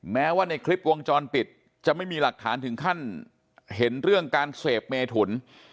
แม้ว่าในคลิปวงจรปิดจะไม่มีหลักฐานถึงขั้นเห็นเรื่องการเสพเมถุน